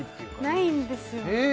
ないんですよええ